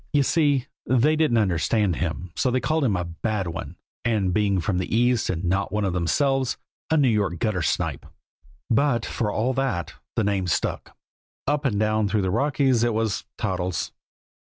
You see, they didn't understand him, so they called him a "bad one," and, being from the East and not one of themselves, "a New York gutter snipe." But, for all that, the name stuck. Up and down through the Rockies it was Toddles.